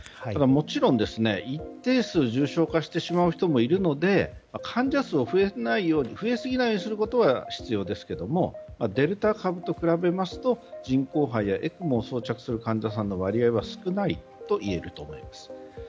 もちろん、一定数重症化してしまう人もいますので患者数が増えすぎないようにすることは必要ですがデルタ株と比べますと人工肺やＥＣＭＯを装着する患者さんの割合は少ないといえると思います。